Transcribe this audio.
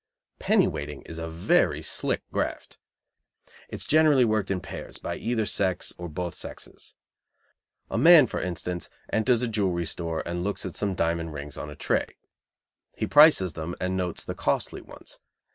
Penny weighting is a very "slick" graft. It is generally worked in pairs, by either sex or both sexes. A man, for instance, enters a jewelry store and looks at some diamond rings on a tray. He prices them and notes the costly ones.